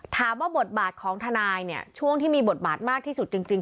ถามว่าบทบาทของทนายเนี่ยช่วงที่มีบทบาทมากที่สุดจริง